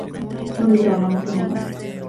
のびたは怠けもの。